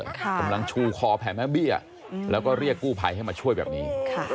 กำลังชูคอแผ่แม่เบี้ยแล้วก็เรียกกู้ภัยให้มาช่วยแบบนี้